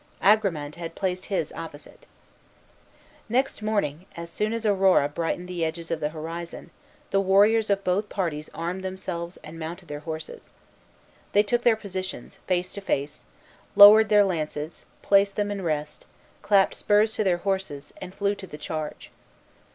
Agramant had placed his opposite. Next morning, as soon as Aurora brightened the edges of the horizon, the warriors of both parties armed themselves and mounted their horses. They took their positions, face to face, lowered their lances, placed them in rest, clapped spurs to their horses, and flew to the charge.